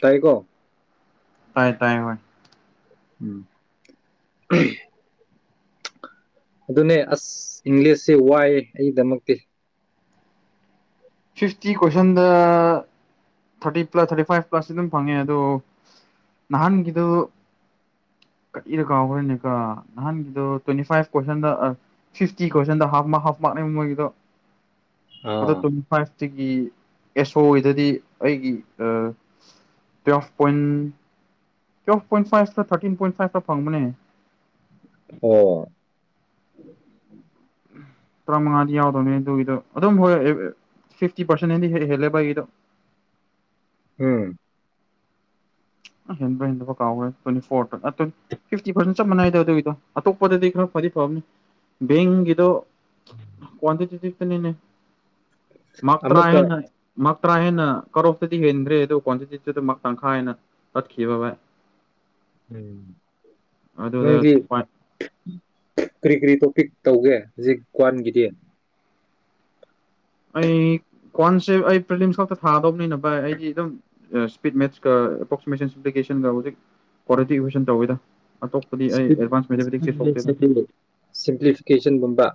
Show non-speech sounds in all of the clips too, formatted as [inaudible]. ꯇꯥꯏꯀꯣ ꯇꯥꯏ ꯇꯥꯏ ꯍꯣꯏ ꯎꯝ ꯑꯗꯨꯅꯦ ꯑꯁ ꯏꯪꯂꯤꯁꯁꯦ ꯋꯥꯏ ꯑꯩꯒꯤꯗꯃꯛꯇꯤ ꯐꯤꯐꯇꯤ ꯀꯣꯏꯁꯟꯗ thirty plus thirty five plus ꯑꯗꯨꯝ ꯐꯪꯉꯦ ꯑꯗꯣ ꯅꯍꯥꯟꯒꯤꯗꯨꯣ ꯀꯇꯗ ꯀꯥꯎꯈ꯭ꯔꯦꯅꯦꯀ ꯅꯍꯥꯟꯒꯤꯗꯣ ꯇ꯭ꯋꯦꯟꯇꯤ ꯐꯥꯏꯚ ꯀꯣꯏꯁꯟꯗ ꯐꯇꯤ ꯀꯣꯏꯁꯟ ꯍꯥꯐ ꯃꯥꯔꯛꯅꯦꯕ ꯃꯣꯏꯒꯤꯗꯣ ꯑꯥ ꯁꯤꯒꯤ ꯑꯦꯁꯣꯒꯤꯗꯗꯤ ꯑꯩꯒꯤ ꯇꯨꯋꯦꯜꯐ ꯄꯣꯏꯟ ꯇꯨꯋꯦꯜꯐ ꯄꯣꯏꯟ ꯐꯥꯏꯚꯇ ꯊꯥꯔꯇꯤꯟ ꯄꯣꯏꯟ ꯐꯥꯏꯚꯇ ꯐꯪꯕꯅꯦ ꯑꯣ ꯇꯔꯥꯃꯉꯥꯗꯤ ꯌꯥꯎꯗꯧꯅꯦ ꯑꯗꯨꯒꯤꯗꯣ ꯑꯗꯨꯝ ꯍꯣꯏ ꯐꯤꯐꯇꯤ ꯄꯥꯔꯁꯦꯟ ꯍꯗꯤ ꯍꯦꯜꯂꯦꯕ ꯑꯩꯒꯤꯗꯣ ꯎꯝ ꯍꯦꯟꯕ ꯍꯦꯟꯕ ꯀꯥꯎꯈ꯭ꯔꯦ ꯇ꯭ꯋꯦꯟꯇꯤ ꯐꯣꯔ ꯐꯤꯇꯤ ꯄꯥꯔꯁꯦꯟ ꯆꯞ ꯃꯥꯟꯅꯩꯗ ꯑꯗꯨꯒꯤꯗꯣ ꯑꯇꯣꯞꯄꯗꯗꯤ ꯈꯔ ꯐꯗꯤ ꯐꯕꯅꯤ ꯕꯦꯡꯒꯤꯗꯣ ꯀꯣꯟꯇ ꯀꯅꯤꯅꯦ ꯃ ꯑꯃꯨꯛꯀ ꯇ꯭ꯔꯑꯦꯅ ꯃ ꯇꯔꯥꯦꯟꯅ ꯀꯔꯣꯐꯇꯗꯤ ꯍꯦꯟꯈ꯭ꯔꯦ ꯑꯗꯨꯒ ꯀ꯭ꯋꯥꯟꯇꯤꯇꯤꯗꯨꯗꯃꯛ ꯇꯪꯈꯥꯦꯟꯅ ꯄꯠꯈꯤ ꯕꯥ ꯎꯝ ꯑꯗꯨꯗ ꯅꯪꯗꯤ ꯚꯥꯏ ꯀꯔꯤ ꯀꯔꯤ ꯇꯣꯄꯤꯛ ꯇꯧꯒꯦ ꯍꯧꯖꯤꯛ ꯀ꯭ꯋꯥꯟꯒꯤꯗꯤ ꯑꯩ ꯀ꯭ ꯑꯩ ꯐꯤꯝꯁ ꯈ ꯊꯥꯗꯧꯕꯅꯤꯅ ꯚꯥꯏ ꯑꯩꯗꯤ ꯑꯗꯨꯝ ꯏꯁꯄꯖꯤ꯭ꯤꯚꯟ ꯇꯧꯋꯤꯗ ꯑꯇꯣꯞꯄꯗꯤ ꯑꯩ ꯑꯦꯗꯚꯥꯟꯁ ꯃꯦꯊꯃꯦꯇꯤꯛꯁꯁꯦ ꯁꯣꯛꯇꯦꯗ ꯁꯤꯝꯄ꯭ꯂꯤꯐꯤꯀꯦꯁꯟꯒꯨꯝꯕ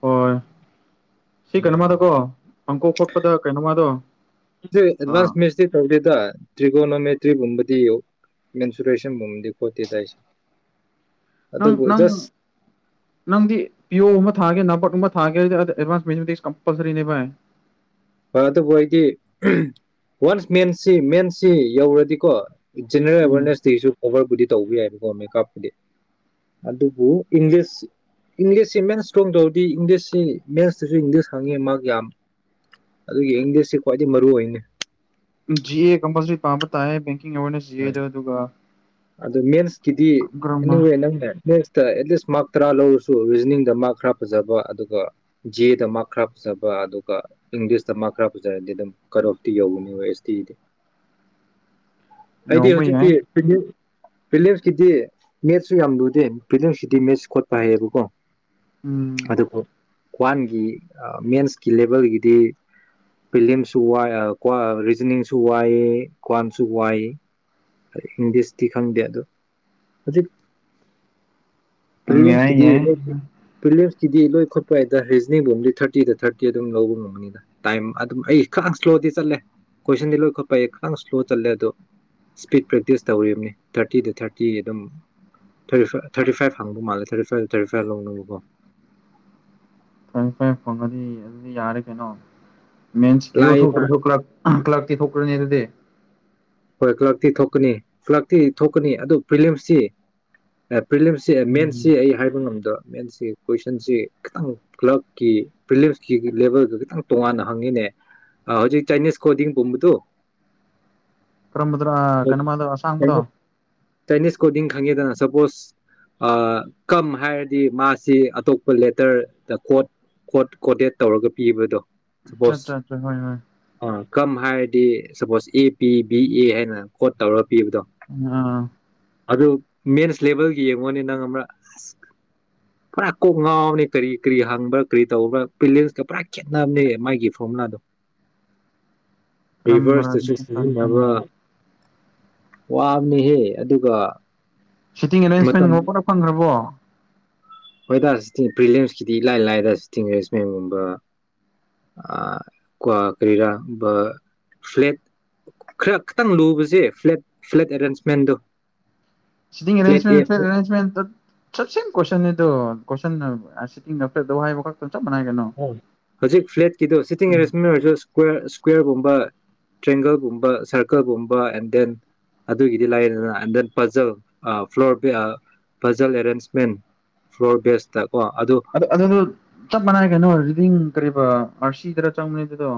ꯍ ꯀꯩꯅꯣꯃꯗꯣ ꯑꯥ ꯑꯦꯗꯚꯟꯁ ꯃꯦꯁ ꯇꯧꯗ ꯇ꯭ꯔꯤꯒꯣꯅ ꯃ ꯇ꯭ꯔꯤꯒꯨꯝꯕꯗꯤ ꯌꯨ ꯃꯦꯟꯁꯨꯔꯦꯁꯟꯒꯨꯝꯕꯗꯤ ꯈꯣꯠꯇꯤ ꯇꯥꯏꯁ ꯅꯪ ꯅꯪ ꯅꯪꯗꯤ ꯄꯤꯌꯣꯒꯨꯝꯕ ꯊꯥꯒꯦ ꯅꯥꯕꯠꯀꯨꯝꯕ ꯊꯥꯒꯦ ꯑꯦꯚꯁ ꯃ ꯀꯝꯄꯜꯁꯔꯤꯚ ꯑꯗꯨꯕꯨ ꯑꯩꯗꯤ ꯋꯥꯟꯁ ꯃꯦꯟꯁꯤ ꯃꯦꯟꯁꯤ ꯌꯧꯔꯗꯤꯀꯣ ꯖꯅꯦꯔꯦꯜ ꯎꯝ ꯑꯦꯋꯥꯔꯅꯦꯁꯁꯨ ꯈꯣꯕꯔꯕꯨꯗꯤ ꯇꯧꯕ ꯌꯥꯏꯕꯀꯣ ꯃꯦꯀꯞꯄꯨꯗꯤ ꯑꯗꯨꯕꯨ ꯏꯪꯂꯤꯁ ꯏꯪꯂꯤꯁꯁꯤ ꯃꯦꯟꯁꯇꯣꯡ ꯇꯧꯔꯗꯤ ꯏꯪꯂꯤꯁꯁꯤ ꯃꯦꯟꯁꯇꯁꯨ ꯏꯪꯂꯤꯁ ꯍꯪꯉꯤ ꯃꯥ ꯌꯥꯝ ꯑꯗꯨ ꯌꯦꯡꯗꯦ ꯁꯤ ꯈ꯭ꯋꯥꯏꯗꯒꯤ ꯃꯔꯨ ꯑꯣꯏꯅꯤ ꯀꯝꯄꯁ ꯄꯥ ꯑꯃ ꯑꯣꯏꯅ ꯁꯤꯖꯩꯗꯣ ꯑꯗꯨꯒ ꯑꯗꯨ ꯃꯦꯟꯦꯟꯁ ꯀꯗꯤ ꯒ꯭ꯔꯃꯔ ꯅꯤꯡꯉꯦ ꯅꯪꯗ ꯅꯦꯛꯁꯇ ꯑꯦꯠꯂꯤꯁ ꯃꯥꯔꯛ ꯇꯔꯥ ꯂꯧꯔꯁꯨ ꯔꯤꯖꯅꯤꯡꯗ ꯃꯥꯔꯛ ꯈꯔ ꯐꯖꯕ ꯑꯗꯨꯒ ꯖꯦꯗ ꯃꯥꯔꯛ ꯈꯔ ꯐꯖꯕ ꯑꯗꯨꯒ ꯏꯪꯂꯤꯁꯇ ꯃꯥꯔꯛ ꯈꯔ ꯐꯖꯔꯗꯤ ꯑꯗꯨꯝ ꯀꯠ ꯑꯣꯐꯇꯤ ꯌꯧꯒꯅꯤ ꯑꯦꯁ ꯇꯤꯗꯤ ꯑꯩꯗꯤ ꯌꯥꯎꯕ ꯌꯥꯏ ꯍꯧꯖꯤꯛꯀꯤ ꯤꯂꯤꯌꯝꯁꯀꯤꯗꯤ ꯃꯦꯠꯁꯁꯨ ꯌꯥꯝ ꯂꯨꯗꯦ ꯤꯂꯤꯌꯝꯁꯀꯤꯗꯤ ꯃꯦꯠꯁ ꯈꯣꯠꯄ ꯍꯥꯏꯌꯦꯕꯀꯣ ꯎꯝ ꯀ꯭ꯋꯥꯟꯒꯤ ꯃꯦꯟꯁꯀꯤ ꯂꯦꯚꯦꯜꯒꯤꯗꯤ ꯐꯤꯂꯤꯝꯁꯨ ꯋꯥꯏ ꯔꯤꯖꯅꯤꯡꯁꯨ ꯋꯥꯏꯑ ꯀ꯭ꯋꯥꯟꯁꯨ ꯋꯥꯏ ꯏꯪꯂꯤꯁꯇꯤ ꯈꯗꯤꯗ ꯍꯧꯖꯤ ꯌꯥꯏ ꯐꯤꯌꯝꯁꯀꯤꯗꯤ ꯌꯥꯏ ꯐꯤꯌꯝꯁ ꯀꯗꯤ ꯂꯣꯏ ꯈꯣꯠꯄꯩꯗ ꯔꯤꯖꯅꯤꯡꯕꯨ ꯑꯣꯝꯂꯤ ꯊꯥꯔꯇꯤꯗ ꯊꯥꯔꯇꯤ ꯑꯗꯨꯝ ꯂꯧꯕ ꯉꯝꯒꯅꯤꯗ ꯇꯥꯏꯝ ꯑꯗꯨꯝ ꯑꯩ ꯈꯤꯇꯪ ꯏꯁ꯭ꯂꯣꯗꯤ ꯆꯠꯂꯦ ꯀꯣꯏꯁꯟꯗꯤ ꯂꯣꯏ ꯈꯣꯠꯄ ꯈꯤꯇꯪ ꯏꯁ꯭ꯂꯣ ꯆꯠꯂꯦ ꯑꯗꯣ ꯏꯁꯄꯤꯠ ꯄ꯭ꯔꯦꯛꯇꯤꯁ ꯇꯧꯔꯤꯕꯅꯤ ꯊꯥꯔꯇꯤꯗ ꯊꯥꯔꯇꯤ ꯑꯗꯨꯝ ꯊꯥꯔꯇꯤꯚ ꯊꯥꯔꯇꯤ ꯐꯥꯏꯚ ꯍꯪꯕ ꯃꯥꯜꯂꯦ ꯊꯥꯔꯇꯤ ꯐꯥꯏꯚꯇ ꯊꯥꯔꯇꯤ ꯐꯥꯏꯚ ꯂꯧꯅꯕꯀꯣ ꯐꯔ ꯐꯥꯏ ꯐꯪꯉꯗꯤ ꯑꯗꯨꯗꯤ ꯌꯥꯔꯦ ꯀꯩꯅꯣ ꯃꯦꯟꯁ ꯄꯌꯣ ꯊ ꯂꯥꯏꯕ ꯊꯣꯛꯣꯛꯀꯔꯥ ꯊꯣꯛꯀ꯭ꯔꯥ ꯀ꯭ꯂꯀꯤ ꯊꯣꯛꯈ꯭ꯔꯅꯦ ꯑꯗꯨꯗꯤ ꯍꯣꯏ ꯀ꯭ꯂꯛꯇꯤ ꯊꯣꯛꯀꯅꯤ ꯀ꯭ꯂꯛꯇꯤ ꯊꯣꯛꯀꯅꯤ ꯑꯗꯨ ꯐꯤꯂꯤꯝꯁꯁꯤ ꯐ꯭ꯂꯝꯁꯤ ꯃꯦꯟꯁꯤ ꯎꯝ ꯑꯩ ꯍꯥꯏꯕ ꯉꯝꯗ ꯃꯦꯟꯁꯤ ꯀꯣꯏꯁꯟꯁꯤ ꯈꯤꯇꯪ ꯀ꯭ꯂꯛꯀꯤ ꯐꯤꯂꯤꯞꯀꯤ ꯂꯦꯚꯦꯜꯒ ꯈꯤꯇꯪ ꯇꯣꯡꯉꯥꯟꯅ ꯍꯪꯉꯤꯅꯦ ꯍꯧꯖꯤꯛ ꯆꯥꯏꯅꯤꯁ ꯀꯣꯗꯤꯡꯒꯨꯝꯕꯗꯨ ꯀꯔꯝꯕꯗꯣ ꯀꯩꯅꯣꯃꯗꯣ ꯑꯁꯥꯡꯕꯗꯣ ꯆꯥꯏꯅꯤꯁ ꯀꯣꯗꯤꯡ ꯈꯪꯉꯤꯗꯅ ꯁꯄꯣꯁ ꯀꯝ ꯍꯥꯏꯔꯗꯤ ꯃꯥꯁꯤ ꯑꯇꯣꯞꯄ ꯂꯦꯇꯔꯗ ꯀꯣꯠ ꯀꯣꯠ ꯀꯣꯗꯦꯠ ꯇꯧꯔꯒ ꯄꯤꯕꯗꯣ ꯑꯆꯥ ꯁꯄꯣꯁ ꯑꯆꯥ ꯑ ꯍꯣꯏ ꯍꯣꯏ ꯀꯝ ꯍꯥꯏꯔꯗꯤ ꯁꯄꯣꯁ ꯑꯦ ꯄꯤ ꯄꯤꯑ ꯍꯥꯏꯅ ꯀꯣꯠ ꯇꯧꯔꯒ ꯄꯤꯕꯗꯣ ꯑꯥ ꯑꯗꯨ ꯃꯦꯟꯁ ꯂꯦꯚꯦꯜꯒꯤ ꯌꯦꯡꯉꯨꯅꯤ ꯅꯪ ꯑꯃ ꯑꯁ ꯄꯨꯔꯥ ꯀꯣꯛ ꯉꯥꯎꯕꯅꯤ ꯀꯔꯤ ꯀꯔꯤ ꯍꯪꯕ꯭ꯔꯥ ꯀꯔꯤ ꯇꯧꯕ꯭ꯔꯥ ꯄꯤꯂꯤꯟꯁꯀ ꯄꯨꯔꯥ ꯈꯦꯠꯅꯕꯅꯤ ꯃꯥꯒꯤ ꯐꯣꯔꯃꯨꯂꯥꯗꯣ ꯔꯤꯚꯔꯁꯁꯨ ꯍꯪꯃꯅꯤ ꯋꯥꯕꯅꯤꯍꯦ ꯑꯗꯨꯒ ꯁꯤꯇꯤꯡ ꯑꯦꯔꯦꯟꯖꯃꯦꯟꯒꯕ ꯄꯨꯔꯞ ꯐꯪꯈ꯭ꯔꯕꯣ ꯍꯣꯏꯇꯥꯔꯦ ꯁꯤꯇꯤꯡ ꯄ꯭ꯔꯤꯂꯤꯌꯝꯁꯀꯤꯗꯤ ꯏꯂꯥꯏ ꯂꯥꯏꯗ ꯁꯤꯇꯤꯡ ꯑꯦꯔꯦꯟꯖꯃꯦꯟꯒꯨꯝꯕ ꯀ꯭ ꯀꯔꯤꯔꯥ ꯐ꯭ꯂꯦꯠ ꯈꯔ ꯈꯤꯇꯪ ꯂꯨꯕꯁꯦ ꯐ꯭ꯂꯦꯠ ꯐ꯭ꯂꯦꯠ ꯑꯦꯔꯦꯟꯖꯃꯦꯟꯗꯣ ꯁꯤ ꯐ꯭ꯂꯦꯠ ꯑꯦ ꯑꯔꯦꯟꯦꯟ ꯐꯔꯦꯟꯦꯟ ꯁ ꯀ꯭ꯋꯟ ꯀꯣꯏꯁꯟꯤꯡ ꯅꯥ ꯍꯧꯖꯤꯛ ꯐ꯭ꯂꯦꯠꯀꯤꯗꯣ ꯁꯤꯇꯤꯡ ꯑꯦꯔꯦꯟꯖꯃꯦꯟ ꯑꯣꯏꯔꯁꯨ ꯀꯀ꯭ꯋꯦꯔꯒꯨꯝꯕ ꯇ꯭ꯔꯦꯡꯒꯜꯒꯨꯝꯕ ꯁꯔꯀꯜꯒꯨꯝꯕ ꯑꯦꯟ ꯗꯦꯟ ꯑꯗꯨꯒꯤꯗꯤ ꯂꯥꯏꯌꯦꯗꯅ and then puzzle floor puzzle arrangement floor ꯕꯦꯁꯇ ꯀꯣ ꯑꯗꯨ ꯑ ꯑꯗꯨ ꯑꯗꯨ ꯆꯞ ꯃꯥꯟꯅ ꯀꯩꯅꯣ ꯑꯣꯏꯗꯤ ꯀꯔꯤꯕꯥ ꯑꯁꯤ ꯇꯔ ꯆꯥꯡꯗꯗꯣ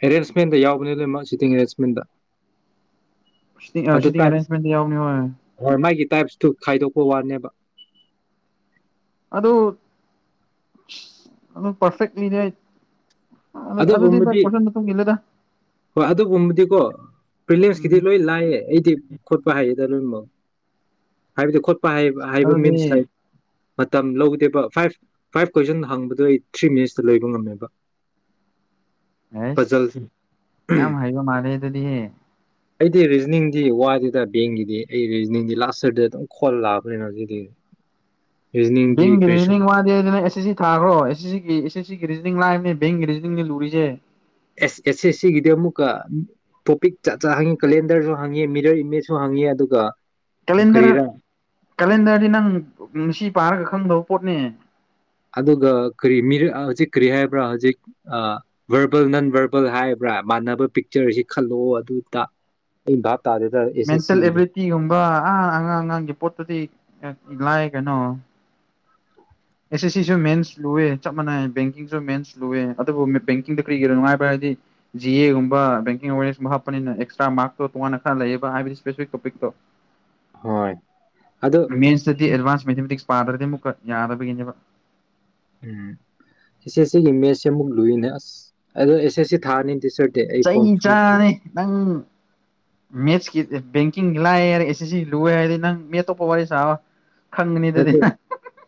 ꯑꯦꯔꯦꯟꯖꯃꯦꯟꯗ ꯌꯥꯎꯕꯅꯤ ꯂꯣꯏꯅꯃꯛ ꯁꯤꯇꯤꯡ ꯑꯦꯔꯦꯟꯖꯃꯦꯟꯗ ꯨꯇꯤꯡ ꯑꯗꯨ ꯇꯥꯏꯞꯁ ꯑꯔꯦꯟꯖꯃꯦꯟ ꯌꯥꯎꯅꯤ ꯍꯣꯏ ꯃꯥꯒꯤ ꯇꯥꯏꯞꯁꯇꯨ ꯈꯥꯏꯗꯣꯛꯄ ꯋꯥꯅꯦꯕ ꯑꯗ ꯑꯗꯨ ꯄꯔꯐꯦ ꯂꯤ ꯑꯗꯨꯒꯨꯝꯕꯗꯤ ꯍꯣꯏ ꯑꯗꯨꯒꯨꯝꯕꯗꯤꯀꯣ ꯎꯝ ꯄ꯭ꯔꯤꯂꯦꯝꯁꯀꯤꯗꯤ ꯂꯣꯏ ꯂꯥꯏꯌꯦ ꯑꯩꯗꯤ ꯈꯣꯠꯄ ꯍꯥꯏꯗꯃꯣ ꯍꯥꯏꯕꯗꯤꯠ ꯄ ꯍꯥꯏꯕ ꯑꯗꯨꯗꯤ ꯃꯤꯟꯁ ꯂꯥꯏ ꯃꯇꯝ ꯂꯧꯗꯦꯕ ꯐꯥꯏꯚ ꯐꯥꯏꯚ ꯀꯣꯏꯁꯟ ꯍꯪꯕꯗꯣ ꯑꯩ ꯊ꯭ꯔꯤ ꯃꯤꯅꯤꯠꯁꯇ ꯂꯩꯕ ꯉꯝꯃꯦꯕ ꯑꯦꯁ ꯄꯖꯜꯁꯦ ꯑ ꯍꯥꯏꯌꯌꯣ ꯃꯥꯗꯦꯗꯗꯤꯌꯦ ꯑꯩꯗꯤ ꯔꯤꯖꯅꯤꯡꯗꯤ ꯋꯥꯏꯗꯦꯗ ꯕꯦꯡꯒꯤꯗꯤ ꯑꯩ ꯔꯤꯖꯅꯤꯡꯗꯤ ꯂꯥꯁ ꯌꯔꯗ ꯑꯗꯨꯝ ꯈꯣꯜꯂ ꯂꯥꯛꯑꯕꯅꯤꯅ ꯍꯧꯖꯤꯛꯛꯇ [unintelligible] ꯡꯔꯤ ꯃꯥꯁ ꯑꯦ ꯁꯤ ꯊꯥꯈ꯭ꯔꯣ ꯑꯦ ꯑꯦ ꯑꯦꯁ ꯑꯦꯁ ꯁꯤꯒꯤ ꯔꯤꯖꯅꯤꯡ ꯂꯥꯛꯏꯕꯅꯦ ꯕꯦꯡꯒꯤ ꯔꯤꯖꯅꯤꯡꯅꯦ ꯂꯨꯔꯤꯁꯦ ꯑꯦꯁ ꯑꯦꯁ ꯑꯦꯁ ꯁꯤꯒꯤꯗꯤ ꯑꯃꯨꯛꯀ ꯇꯣꯄꯤꯛ ꯆ ꯆ ꯍꯪꯉꯤ ꯀꯦꯂꯦꯟꯗꯔꯁꯨ ꯍꯪꯉꯤ ꯃꯤꯗꯔ ꯏꯃꯦꯖꯁꯨ ꯍꯪꯉꯦ ꯑꯗꯨꯒ ꯀꯦꯂꯦꯟꯗꯔ ꯀꯔꯤꯔꯥ ꯀꯦꯂꯦꯟꯗꯔꯗꯤ ꯅꯪ ꯉꯁꯤ ꯄꯥꯔꯒ ꯈꯪꯗꯧ ꯄꯠꯅꯤ ꯑꯗꯨꯒ ꯀꯔꯤ ꯍꯧꯖꯤꯛ ꯀꯔꯤ ꯍꯥꯏꯕ꯭ꯔꯥ ꯍꯧꯖꯤꯛ ꯚꯔꯕꯜ ꯅꯟ ꯚꯔꯕꯜ ꯍꯥꯏꯕ꯭ꯔꯥ ꯃꯥꯟꯅꯕ ꯄꯤꯛꯆꯔꯁꯤ ꯈꯜꯂꯛꯑꯣ ꯑꯗꯨꯗ ꯑꯩ ꯚꯥꯞ ꯇꯥꯗꯦꯗ ꯑꯦꯁ ꯑꯦꯁ ꯃꯦꯟꯇꯦꯜ ꯁꯤꯒꯤꯗꯤ ꯑꯦꯕꯤꯂꯤꯇꯤꯒꯨꯝꯕ ꯑ ꯑꯉꯥꯡ ꯑꯉꯥꯡꯒꯤ ꯄꯣꯠꯇꯨꯗꯤ ꯂꯥꯏ ꯀꯩꯅꯣ ꯑꯦꯁ ꯑꯦꯁ ꯁꯤꯁꯨ ꯃꯦꯟꯁ ꯂꯨꯋꯦ ꯆꯞ ꯃꯥꯟꯅꯩ ꯕꯦꯡꯀꯤꯡꯁꯨ ꯃꯦꯟꯁ ꯂꯨꯋꯦ ꯑꯗꯨꯕꯨ ꯕꯦꯡꯀꯤꯡꯗ ꯀꯔꯤꯒꯤꯣ ꯅꯨꯡꯉꯥꯏꯕ ꯍꯥꯏꯔꯗꯤ ꯖꯤ ꯑꯦꯒꯨꯝꯕ ꯕꯦꯡꯀꯤꯡ ꯑꯦꯋꯦꯔꯅꯦꯁꯀꯨꯝꯕ ꯍꯥꯞꯄꯅꯤꯅ ꯑꯦꯛꯁꯇ꯭ꯔꯥ ꯃꯥꯔꯇꯣ ꯇꯣꯉꯥꯟꯅ ꯈꯔ ꯂꯩꯌꯦꯕ ꯍꯥꯏꯕꯗꯤ ꯏꯁꯄꯦꯁꯤꯐꯤꯛ ꯇꯣꯄꯤꯛꯇꯣ ꯍꯣꯏ ꯑꯗꯣ ꯃꯁ ꯑꯦꯚꯥꯟꯁ ꯃꯦꯊꯃꯦꯇꯤꯁ ꯄꯥꯗ꯭ꯔ ꯃꯨꯀ ꯌꯥꯗꯕꯤ ꯎꯝ ꯑꯦꯁ ꯑꯦꯁ ꯁꯤꯒꯤ ꯏꯃꯦꯖꯁꯦ ꯑꯃꯨꯛ ꯂꯨꯏꯅꯦ ꯑꯁ ꯑꯗꯨꯣ ꯑꯦꯁ ꯑꯦꯁ ꯁꯤ ꯊꯥꯔꯅꯤ ꯇꯤꯆꯔꯗꯤ ꯑꯩ ꯐꯣꯝ ꯆꯩ ꯆꯥꯅꯦ ꯅꯪ ꯃꯦꯠ ꯕꯦꯡꯀꯤꯡ ꯂꯥꯛꯑꯦꯔꯦ ꯑꯦꯁ ꯑꯦꯁ ꯁꯤ ꯂꯨꯦ ꯍꯥꯏꯔꯗꯤ ꯅꯪ ꯃꯦꯣꯞ ꯋꯥꯔꯤ ꯁꯥ ꯅꯠꯇ꯭ꯔꯦ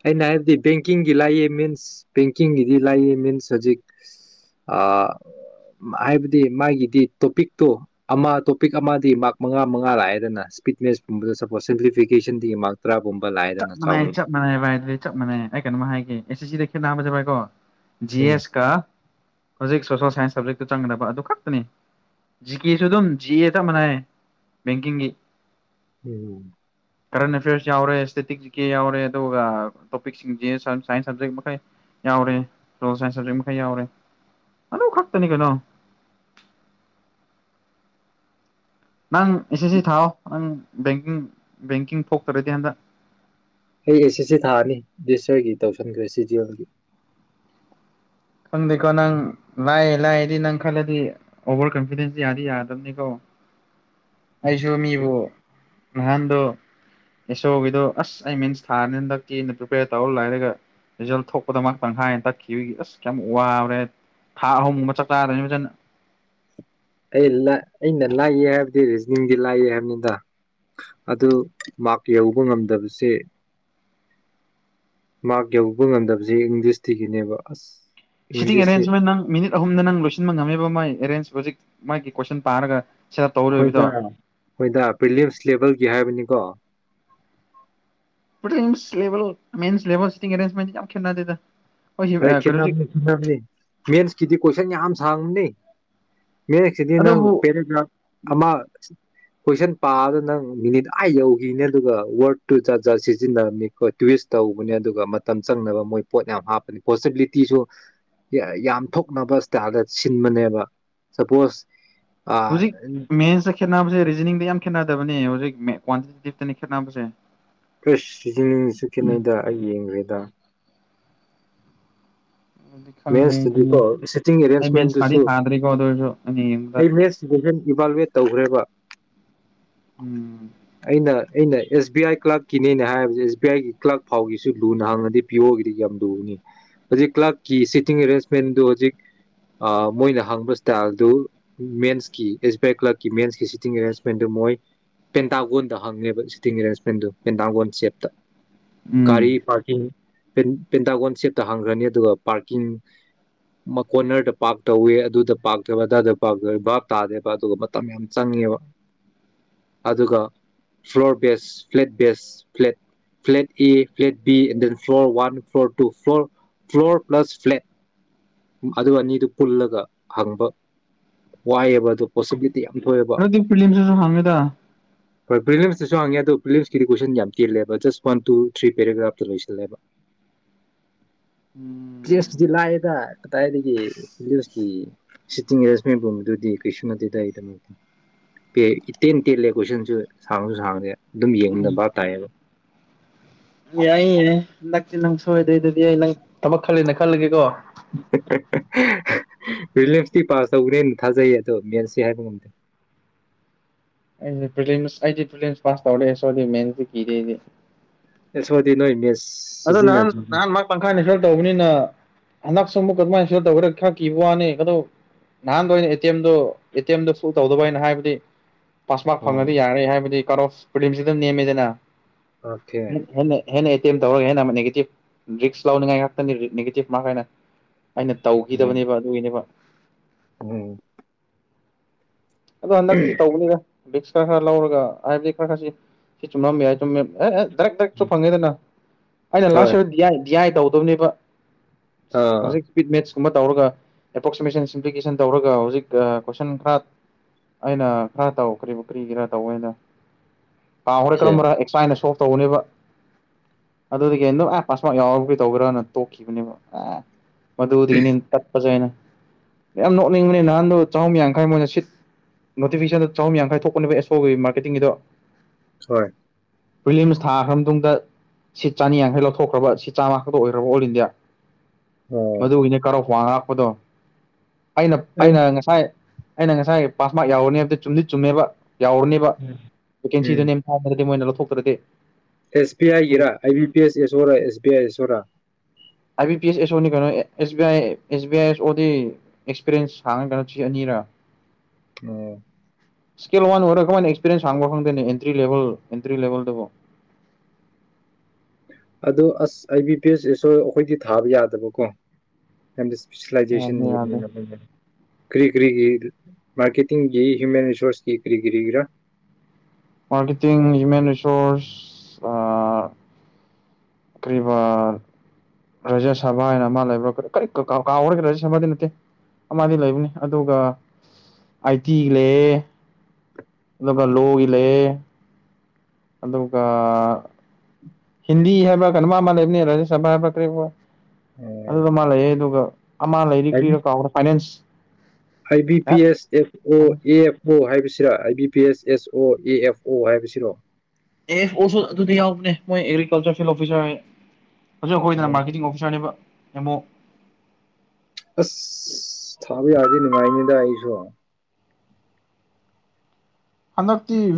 ꯑꯩꯅ ꯍꯥꯏꯕꯗꯤ ꯕꯦꯡꯀꯤꯡꯒꯤ ꯂꯥꯛꯑ ꯃꯦꯟ ꯕꯦꯡꯀꯤꯡꯒꯤꯗꯤ ꯂꯥꯛꯏ ꯃꯤꯟꯁ ꯍꯧꯖꯤꯛ ꯍꯥꯏꯕꯗꯤ ꯃꯥꯒꯤꯗꯤ ꯇꯣꯄꯤꯛꯇꯣ ꯑꯃ ꯇꯣꯄꯤꯛ ꯑꯃꯗꯤ ꯃꯥꯔꯛ ꯃꯉꯥ ꯃꯉꯥ ꯂꯥꯛꯑꯦꯗꯅ ꯏꯁ꯭ꯄꯤꯠ ꯃꯦꯁꯀꯨꯝꯕꯗ ꯁꯄꯣꯁ ꯁꯤꯝꯄ꯭ꯂꯤꯐꯤꯀꯦꯁꯟꯗꯒꯤ ꯃꯥꯔꯛ ꯇꯔꯥꯒꯨꯝꯕ ꯂꯦ ꯆꯞ ꯃꯥꯟꯅꯩ ꯆꯞ ꯃꯥꯟꯅꯩ ꯚꯏꯗꯨꯗꯤ ꯆꯞ ꯃꯥꯟꯅꯩ ꯑꯩ ꯀꯩꯅꯣꯃ ꯍꯥꯏꯒꯦ ꯑꯦꯁꯦꯁꯤꯗꯔ ꯅꯝꯕꯖꯦ ꯥꯏꯀꯣ ꯖꯤ ꯎꯝ ꯑꯦꯁ ꯀꯥ ꯍꯧꯖꯤꯛ ꯁꯣꯁꯦꯜ ꯁꯥꯏꯟꯁ ꯁꯕꯖꯦꯛ ꯆꯪꯒꯗꯕ ꯑꯗꯨ ꯈꯛꯇꯅꯤ ꯖꯤ ꯀꯦꯁꯨ ꯑꯗꯨꯝ ꯖꯤ ꯑꯦ ꯆꯞ ꯃꯅꯌꯦ ꯕꯦꯡꯀꯤꯡꯒꯤ ꯎꯝ ꯀꯔꯦꯟꯠ ꯑꯐꯦꯔꯁ ꯌꯥꯎꯔꯦꯁ ꯏꯁꯦꯇꯤꯛꯦ ꯌꯥꯎꯔꯦ ꯑꯗꯨꯒ ꯇꯣꯄꯤꯛꯁꯤꯡꯁꯦ ꯁꯥꯏꯟꯁ ꯁꯕꯖꯦꯛ ꯃꯈꯩ ꯌꯥꯎꯔꯦ ꯁꯣꯥꯏꯟꯁ ꯁꯕꯖꯦꯛ ꯃꯈꯩ ꯌꯥꯎꯔꯦ ꯑꯗꯨ ꯈꯛꯇꯅꯤ ꯀꯩꯅꯣ ꯅꯪ ꯑꯦꯁ ꯁꯤ ꯊꯥꯎꯣ ꯅꯪ ꯕꯦꯡꯀꯤꯡ ꯕꯦꯡꯀꯤꯡ ꯊꯣꯛꯇꯔꯗꯤ ꯍꯟꯗꯛ ꯑꯩ ꯑꯩ ꯁꯤ ꯁꯤ ꯊꯥꯅꯤ ꯁꯇꯔꯒꯤ ꯇꯧꯁꯤꯟꯈ꯭ꯔꯦ ꯁꯤ ꯦꯜꯒꯤ ꯈꯪꯗꯦꯀꯣ ꯅꯪ ꯂꯥꯏꯑ ꯂꯥꯛꯑꯗꯤ ꯅꯪ ꯈꯜꯂꯗꯤ ꯑꯣꯚꯔ ꯀꯟꯐꯤꯗꯦꯟꯁ ꯌꯥꯗꯤ ꯌꯥꯗꯕꯅꯤꯀꯣ ꯑꯩꯁꯨ ꯃꯤꯕꯨ ꯅꯍꯥꯟꯗꯣ ꯑꯦꯁ ꯑꯣꯒꯤꯗꯣ ꯑꯁ ꯑꯩ ꯃꯤꯟꯁ ꯊꯥꯔꯅꯤꯅ ꯇꯛꯀꯦꯅ ꯄ꯭ꯔꯤꯄꯦꯌꯔ ꯇꯧꯔ ꯂꯥꯏꯔꯒ ꯔꯤꯖꯜ ꯊꯣꯛꯄꯗ ꯉꯥꯏꯍꯥꯛꯇꯪ ꯍꯥꯏꯌꯦꯅ ꯇꯛꯈꯤꯕꯒꯤ ꯑꯁ ꯌꯥꯝ ꯋꯥꯕꯔꯦ ꯊꯥ ꯑꯍꯨꯝꯒꯨꯝꯕ ꯆꯥꯛ ꯆꯥꯗꯣꯏꯅꯤ ꯐꯖꯅ ꯑꯩ ꯑꯩꯅ ꯂꯥꯏꯌꯦ ꯍꯥꯏꯕꯗꯤ ꯔꯤꯖꯅꯤꯡꯗꯤ ꯂꯥꯏꯑ ꯍꯥꯏꯕꯅꯤꯗ ꯑꯗꯨ ꯃꯥꯔꯛ ꯌꯧꯕ ꯉꯝꯗꯕꯁꯦ ꯃꯥꯔꯛ ꯌꯧꯕ ꯉꯝꯗꯕꯁꯦ ꯏꯪꯂꯤꯁꯇꯤꯒꯤꯅꯦꯕ ꯑꯁ ꯁꯤꯇꯤꯡ ꯏꯪꯂꯤꯁꯁꯤ ꯑꯦꯔꯦꯟꯖꯃꯦꯟ ꯅꯪ ꯃꯤꯅꯤꯠ ꯑꯍꯨꯝꯗ ꯅꯪ ꯂꯣꯏꯁꯤꯟꯕ ꯉꯝꯃꯦꯕ ꯃꯥꯏ ꯑꯦꯔꯦꯟꯖ ꯍꯧꯖꯤꯛ ꯃꯥꯒꯤ ꯀꯣꯏꯁꯟ ꯄꯥꯔꯒ ꯁꯦꯠ ꯑꯞ ꯇꯧꯗꯣꯏꯕꯗꯣ ꯍꯣꯏꯗ ꯍꯣꯏꯗ ꯄ꯭ꯔꯤꯂꯤꯌꯝꯁ ꯂꯦꯚꯦꯜꯒꯤ ꯍꯥꯏꯕꯅꯤꯀꯣ ꯔꯦꯟꯦꯟ ꯈ ꯍꯣꯏ ꯈꯦꯠꯝꯅꯤ ꯈꯈꯤꯠꯅꯝꯅꯤ ꯃꯦꯟꯁꯀꯤꯗꯤ ꯀꯣꯏꯁꯟ ꯌꯥꯝ ꯁꯥꯡꯅꯤ ꯃꯌꯦꯛꯁꯤꯗꯤ ꯅꯪ ꯑꯗꯨꯕꯨ ꯄꯦꯔꯥꯒ꯭ꯔꯥꯐ ꯑꯃ ꯀꯣꯏꯁꯟ ꯄꯥꯕꯗ ꯅꯪ ꯃꯤꯅꯤꯠ ꯑꯥ ꯌꯧꯈꯤꯅꯦ ꯑꯗꯨꯒ ꯋꯥꯋꯔꯠꯇꯨ ꯖꯥ ꯖꯥꯠ ꯁꯤꯖꯤꯟꯅꯕꯅꯤ ꯑꯩꯈꯣꯏ ꯇ꯭ꯋꯤꯁ ꯇꯧꯕꯅꯦ ꯑꯗꯨꯒ ꯃꯇꯝ ꯆꯪꯅꯕ ꯃꯣꯏ ꯄꯣꯠ ꯌꯥꯝ ꯍꯥꯞꯄ ꯄꯣꯁꯤꯕꯤꯂꯤꯇꯤꯁꯨ ꯌꯥꯝ ꯊꯣꯛꯅꯕ ꯏꯁꯇꯥꯥꯏꯜꯗ ꯁꯤꯟꯕꯅꯦꯕ ꯁꯄꯣꯁ ꯍꯧꯖꯤꯛ ꯃꯦꯟ ꯁ ꯈꯦꯅꯥꯁꯦ ꯅꯤꯡꯗ ꯌꯥꯝ ꯈꯦꯠꯅꯗꯕꯅꯦ ꯍꯧꯖꯤꯛ ꯀ꯭ꯋꯥꯟꯇꯤꯇꯤ ꯇꯤꯞꯇꯅꯤ ꯈꯦꯠꯅꯕꯁꯦ ꯄꯁ ꯁꯤꯖꯅꯤꯡ ꯆꯈꯤꯅꯩꯗ ꯑꯩ ꯌꯦꯡꯈ꯭ꯔꯦꯗ ꯑꯗꯨꯗꯤ ꯈꯪꯗꯦ ꯑꯩꯗꯤ ꯃꯦꯟꯁꯇꯗꯤꯀꯣ ꯁꯤꯇꯤꯡ ꯑꯩ ꯃꯦꯟꯁ ꯊꯥꯗꯤ ꯑꯦꯔꯦꯟꯖꯃꯦꯟꯗꯨꯁꯨ ꯊꯥꯗ꯭ꯔꯤꯀꯣ ꯑꯗꯨ ꯑꯣꯏꯔꯁꯨ ꯑꯩꯅ ꯌꯦꯡꯕꯗ ꯑꯩ ꯃꯦꯟꯁꯇꯗ ꯍ ꯏꯚꯜꯋꯦꯠ ꯇꯧꯈ꯭ꯔꯦꯕ ꯎꯝ ꯑꯩꯅ ꯑꯩꯅ ꯑꯦꯁ ꯕꯤ ꯑꯥꯏ ꯀ꯭ꯂꯥꯛꯀꯤꯅꯦꯅ ꯍꯥꯏꯔꯤꯕꯁ ꯑꯦꯁ ꯕꯤ ꯑꯥꯏꯒꯤ ꯀ꯭ꯂꯥꯛ ꯐꯥꯎꯒꯤꯁꯨ ꯂꯨꯅ ꯍꯥꯡꯉꯗꯤ ꯄꯤꯌ ꯑꯣꯒꯤꯗꯤ ꯌꯥꯝ ꯂꯨꯅꯤ ꯑꯗꯨꯛ ꯀ꯭ꯂꯥꯛ ꯀꯤ ꯁꯤꯇꯤꯡ ꯑꯦꯔꯦꯟꯖꯃꯦꯟꯗꯨ ꯍꯧꯖꯤꯛ ꯃꯣꯏꯅ ꯍꯪꯕ ꯏꯁꯇꯥꯏꯜꯗꯨ ꯃꯦꯟꯁꯀꯤ ꯑꯦꯁ ꯕꯤ ꯑꯥꯏ ꯀ꯭ꯂꯛꯀꯤ ꯃꯦꯟꯁꯀꯤ ꯁꯤꯇꯤꯡ ꯑꯦꯔꯦꯟꯖꯃꯦꯟꯗꯨ ꯃꯣꯏ ꯄꯦꯟꯇꯥꯥꯡꯒꯣꯟꯗ ꯍꯪꯉꯦꯕ ꯁꯤꯇꯤꯡ ꯑꯦꯔꯦꯟꯁꯃꯦꯟꯗꯨ ꯄꯦꯟꯇꯥꯒꯜ ꯁꯦꯞꯇ ꯎꯝ ꯒꯥꯔꯤ ꯄꯥꯔꯀꯤꯡ ꯄꯦꯟꯇꯥꯒꯣꯟ ꯁꯦꯞꯇ ꯍꯥꯡꯈ꯭ꯔꯅꯤ ꯑꯗꯨꯒ ꯄꯥꯔꯀꯤꯡ ꯀꯣꯔꯅꯔꯗ ꯄꯥꯔꯛ ꯇꯧꯋꯦ ꯑꯗꯨꯗ ꯄꯥꯔꯛꯛꯇꯣꯏꯕ ꯑꯗꯥꯏꯗ ꯄꯥꯔ ꯇꯧꯋꯦ ꯚꯕꯥꯞ ꯇꯥꯗꯦꯕ ꯑꯗꯨꯒ ꯃꯇꯝ ꯌꯥꯝ ꯆꯪꯉꯦꯕ ꯑꯗꯨꯒ floor base flat base flat flat A flat B and then floor one floor two floor floor plus flat ꯑꯗꯨ ꯑꯅꯤꯗꯨ ꯄꯨꯜꯂꯒ ꯍꯪꯕ ꯋꯥꯏꯑꯕ ꯑꯗꯨ ꯄꯣꯁꯤꯕꯤꯂꯤꯤ ꯑꯗꯨꯗꯤ ꯐꯤꯂꯤꯝꯁꯤꯁꯨ ꯍꯪꯉꯦꯗ ꯍꯣꯏ ꯄ꯭ꯔꯤꯂꯤꯝꯁꯇꯁꯨ ꯍꯪꯉꯦ ꯑꯗꯣ ꯄ꯭ꯔꯤꯂꯤꯝꯁꯀꯤꯗꯤ ꯀꯣꯏꯁꯟ ꯌꯥꯝ ꯇꯦꯜꯂꯦꯕ ꯖꯁ ꯋꯥꯟ ꯇꯨ ꯊ꯭ꯔꯤ ꯄꯦꯔꯥꯒ꯭ꯔꯥꯐꯇ ꯂꯣꯏꯁꯜꯂꯦꯕ ꯎꯝ ꯆꯦꯁꯇꯨꯗꯤ ꯂꯥꯛꯑꯦꯗ ꯀꯗꯥꯏꯗꯒꯤꯁꯀꯤ ꯁꯤꯇꯤꯡ ꯑꯦꯖꯁꯃꯦꯟꯒꯨꯝꯕꯗꯨꯗꯤ ꯀꯩꯁꯨ ꯅꯠꯇꯦꯗ ꯑꯩꯗꯃꯛꯇ ꯇꯦꯟ ꯇꯦꯜꯂꯦ ꯀꯣꯏꯁꯟꯁꯨ ꯁꯥꯡꯁꯨ ꯁꯥꯡꯗꯦ ꯑꯗꯨꯝ ꯌꯦꯡꯅꯕ ꯇꯥꯏꯌꯦꯕ ꯑꯦ ꯑꯩꯌꯦꯦ ꯅꯪꯛꯇꯤ ꯅꯪ ꯁꯣꯏꯗꯣꯏꯗꯨꯗꯤ ꯑꯩ ꯅꯪ ꯊꯕꯛ ꯈꯜꯂꯦꯅ ꯈꯜꯂꯒꯦꯀꯣ ꯔꯤꯂꯤꯝꯁꯇꯤ ꯄꯥꯁ ꯇꯧꯧꯕꯅꯦꯅ ꯊꯥꯖꯩ ꯑꯗꯣ ꯃꯦꯟꯁꯤ ꯍꯥꯏꯕ ꯉꯝꯗꯦ ꯑꯩ ꯑꯩꯗꯤ ꯄꯁ ꯄꯥꯁ ꯇꯧꯔꯛꯑꯦ ꯁꯗꯤ ꯃꯦꯟꯁꯤ ꯀꯤꯗꯦꯗꯤ ꯑꯦ ꯁꯗꯤ ꯅꯣꯏ ꯃꯦꯁ ꯑꯗꯣ ꯅꯍꯥꯟ ꯁꯤꯖꯤꯟꯅꯗ꯭ꯔꯤ ꯅꯍꯥꯟ ꯃꯥ ꯄꯪꯈꯥꯏꯅꯤ ꯁꯔ ꯇꯧꯕꯅꯤꯅ ꯍꯟꯗꯛꯁꯨ ꯑꯃꯨꯛ ꯀꯃꯥꯏꯅ ꯁ ꯇꯧ ꯈꯔꯤꯕ ꯋꯥꯅꯤ ꯑꯗꯨꯣ ꯅꯍꯥꯟꯗꯩꯅ ꯇꯧꯗꯕ ꯍꯥꯏꯅ ꯍꯥꯏꯕꯗꯤ ꯄꯥꯁꯃꯔꯛ ꯐꯪꯉꯗꯤ ꯌꯥꯔꯦ ꯍꯥꯏꯕꯗꯤ ꯀꯔꯣ ꯄꯝꯁꯤ ꯑꯗꯨꯝ ꯅꯦꯝꯃꯤꯗꯅ ꯑꯣꯀꯦ ꯍꯦꯟꯅ ꯍꯦꯅꯦ ꯇꯧꯔꯒꯦꯅ ꯑꯃ ꯅꯦꯒꯦꯇꯤꯞ ꯔꯤꯛꯁ ꯂꯧꯅꯤꯡꯉꯥꯏ ꯉꯥꯛꯇꯅꯤ ꯅꯦꯒꯦꯇꯤꯞ ꯃꯥꯥꯏꯅ ꯑꯩꯅ ꯇꯧꯈꯤꯗꯕꯅꯦꯕ ꯑꯗꯨꯒꯤꯅꯦꯕ ꯎꯝ ꯑꯗꯣ ꯍꯟꯗꯛꯇꯤ ꯇꯧꯕꯅꯤꯅ ꯕꯤꯛꯁ ꯈꯔ ꯈꯔ ꯂꯧꯔꯒ ꯍꯥꯏꯕꯗꯤ ꯈꯔ ꯈꯔꯁꯤ ꯁꯤ ꯆꯨꯝꯃꯦ ꯍꯥꯏꯨꯝ ꯑꯦ ꯗ꯭ꯔꯛ ꯗ꯭ꯔꯛꯁꯨ ꯐꯪꯉꯦꯗꯅ ꯑꯩꯅ ꯍꯣꯏ ꯂꯥꯁꯠ ꯌꯥꯏ ꯌꯥꯏ ꯇꯧꯗꯕꯅꯦꯕ ꯑꯥ ꯑꯣꯀꯦ ꯍꯧꯖꯥꯛꯏ ꯃꯁ ꯁꯨꯝꯕ ꯇꯧꯔꯒ ꯑꯦꯄ꯭ꯔꯣꯛꯁꯤꯃꯦꯁꯟ ꯁꯤꯝꯄ꯭ꯂꯤꯀꯦꯁꯟ ꯇꯧꯔꯒ ꯍꯧꯖꯤꯛ ꯀꯣꯏꯁꯟ ꯈꯔ ꯑꯩꯅ ꯈꯔ ꯇꯧ ꯀꯔꯤꯕ ꯀꯔꯤꯒꯤꯔ ꯇꯧꯅ ꯍꯣꯔ ꯀꯔꯝꯕꯔ ꯑꯦꯛꯁꯥꯏꯅ ꯁꯣ ꯇꯧꯅꯦꯕ ꯑꯗꯨꯗꯒꯤ ꯍꯗꯝ ꯑꯦ ꯄꯥꯁꯄꯣꯔꯠ ꯌꯥꯎꯔꯕꯨ ꯀꯩ ꯇꯧꯒ꯭ꯔꯅ ꯇꯣꯛꯈꯤꯕꯅꯦꯕ ꯑꯦ ꯃꯗꯨꯗꯤꯅꯤ ꯇꯠꯄꯁꯨ ꯍꯥꯏꯅ ꯌꯥꯝ ꯅꯣꯛꯅꯤꯡꯕꯅꯦ ꯅꯍꯥꯟꯗꯣ ꯆꯥꯛꯍꯨꯝ ꯌꯥꯡꯈꯥꯏ ꯃꯣꯏꯅ ꯁꯤꯠ ꯅꯣꯇꯤꯐꯤꯀꯦꯁꯟꯗ ꯆꯍꯨꯝ ꯌꯥꯡꯈꯥꯏ ꯊꯣꯛꯄꯅꯦꯕ ꯑꯦꯁꯣꯒꯤ ꯃꯥꯔꯀꯦꯇꯤꯡꯒꯤꯗꯣ ꯍꯣꯏ ꯋꯤꯂꯤꯌꯝꯁ ꯊꯥꯈ꯭ꯔ ꯃꯇꯨꯡꯗ ꯁꯤꯠ ꯆꯥꯅꯤ ꯌꯥꯡꯈꯩ ꯂꯧꯊꯣꯛꯈ꯭ꯔꯕ ꯁꯤꯠ ꯆꯥꯝꯃꯥ ꯈꯛꯇ ꯑꯣꯏꯈ꯭ꯔꯕ ꯑꯣꯜ ꯏꯟꯗꯤꯌꯥ ꯑꯣ ꯃꯗꯨ ꯏ ꯀꯣ ꯋꯥ ꯀꯗꯣ ꯑꯩꯅ ꯑꯩ ꯑꯩꯅ ꯎꯝ ꯉꯁꯥꯏ ꯑꯩꯅ ꯉ ꯁꯥꯥꯏꯦ ꯄꯥꯁ ꯃꯥꯔ ꯌꯥꯎꯔꯅꯤ ꯑꯝꯇ ꯆꯨꯝꯗꯤ ꯆꯨꯝꯃꯦꯕ ꯌꯥꯎꯔꯅꯦꯕ ꯕꯦꯀꯦꯟꯁꯤꯗꯨ ꯊꯥꯗ꯭ꯔꯗꯤ ꯃꯣꯏꯅ ꯐꯨꯛꯇꯗꯦ ꯑꯦꯁ ꯕꯤ ꯑꯥꯏꯒꯤꯔꯥ ꯑꯥꯏ ꯕꯤ ꯄꯤ ꯑꯦꯁ ꯑꯦꯁꯣꯔꯥ ꯑꯦꯁ ꯕꯤ ꯑꯥꯏ ꯑꯦꯁꯣꯔꯥ ꯑꯥꯏ ꯕꯤ ꯄꯤ ꯑꯦꯁ ꯑꯦꯁ ꯑꯣꯅꯤ ꯀꯩꯅꯣ S B I S B I ꯑꯦꯁ ꯑꯣꯗꯤ ꯑꯦꯛꯁꯄꯤꯔꯤꯌꯦꯦꯟꯁ ꯍꯥꯡꯉ ꯀꯩꯅꯣ ꯁꯤ ꯑꯅꯤꯔꯥ ꯑꯣ ꯏꯁꯀꯦꯜ ꯋꯥꯟ ꯑꯣꯏꯔꯛ ꯀꯅ ꯑꯦꯛꯁꯄꯔꯤꯌꯦꯦꯟꯁ ꯍꯥꯡꯕ ꯈꯪꯗꯦꯅꯦ ꯑꯦꯟꯇ꯭ꯔꯤ ꯂꯦꯚꯦꯜ ꯑꯦꯟꯇ꯭ꯔꯤ ꯂꯦꯚꯦꯜꯗꯕꯣ ꯑꯗꯨꯗ ꯑꯁ ꯑꯩ ꯕꯤ ꯄꯦꯖꯦꯁꯨ ꯑꯩꯈꯣꯏꯗꯤ ꯊꯥꯕ ꯌꯥꯗꯕꯀꯣꯗꯤ ꯌꯥꯗꯦ ꯌꯥꯗꯦ ꯁꯁꯤꯂꯥꯏꯖꯦꯁꯟꯅꯤꯔꯅꯤꯅ ꯀꯔꯤ ꯀꯔꯤꯒꯤ ꯃꯥꯔꯀꯦꯇꯤꯡꯒꯤ ꯍ꯭ꯌꯨꯃꯦꯟ ꯔꯤꯁꯣꯔꯁꯀꯤ ꯀꯔꯤ ꯀꯔꯤꯒꯤꯔ ꯃꯥꯔꯀꯦꯇꯤꯡ ꯍ꯭ꯌꯨꯃꯦꯟ ꯔꯁꯣꯔꯁ ꯀꯔꯤꯕ ꯔꯥꯖ꯭ꯌ ꯁꯕꯥ ꯍꯥꯏꯅ ꯑꯃ ꯂꯩꯕ꯭ꯔ ꯀꯔꯤ ꯀꯥꯎꯔꯒꯦ ꯔꯥꯖ꯭ꯌ ꯁꯕꯥꯗꯤ ꯅꯠꯇꯦ ꯑꯃꯗꯤ ꯂꯩꯕꯅꯤ ꯑꯗꯨꯒ ꯑꯥꯏ ꯇꯤꯒꯤ ꯂꯩꯑ ꯑꯗꯨꯒ ꯂꯣꯒꯤ ꯂꯩꯑ ꯑꯗꯨꯒ ꯍꯤꯟꯗꯤ ꯍꯥꯏꯕ꯭ꯔꯥ ꯀꯩꯅꯣ ꯃꯥ ꯃꯥ ꯂꯩꯕꯅꯦ ꯔꯥꯖ꯭ꯌ ꯁꯕꯥ ꯍꯥꯏꯕ꯭ꯔꯥ ꯀꯔꯤ ꯑꯗꯨꯗ ꯃꯥ ꯂꯩ ꯑꯗꯨꯒ ꯑꯃ ꯂꯩꯔꯤ ꯀ꯭ꯔꯤꯔ ꯀꯥꯎꯕꯔ finance I B A P S F O A F O ꯍꯥꯏꯕꯁꯤ ꯁꯤꯔꯥ ꯑꯥꯏ ꯕꯤ ꯄꯤ ꯑꯦꯁ ꯑꯦꯁ ꯑꯣ ꯑꯦ ꯑꯦꯐ ꯑꯣ ꯍꯥꯏꯕꯁꯤꯔꯣ ꯑꯦꯐ ꯑꯣꯁꯣ ꯑꯗꯨꯗꯤ ꯌꯥꯎꯕꯅꯦ ꯃꯣꯏ ꯑꯦꯒ꯭ꯔꯤꯀꯜꯆꯔ ꯐꯤꯜ ꯑꯣꯐꯤꯁꯥꯔ ꯍꯧꯛ ꯑꯣ ꯑꯩꯈꯣꯏꯗꯅ ꯃꯥꯔꯀꯦꯇꯤꯡ ꯑꯣꯐꯤꯁꯥꯔꯅꯦꯕ ꯌꯦꯃꯣ ꯑꯁ ꯊꯥꯕꯤ ꯌꯥꯗꯤ ꯅꯨꯡꯉꯥꯏꯅꯤꯗ ꯑꯩꯁꯨ ꯍꯅꯀꯁꯤ